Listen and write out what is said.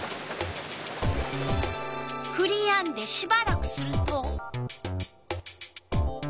ふりやんでしばらくすると。